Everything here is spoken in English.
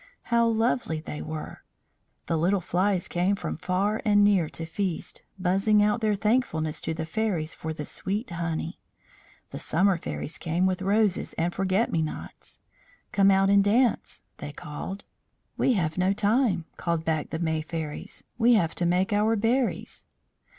How lovely they were! The little flies came from far and near to feast, buzzing out their thankfulness to the fairies for the sweet honey. The Summer Fairies came with roses and forget me nots. "Come out and dance," they called. "We have no time," called back the May Fairies. "We have to make our berries."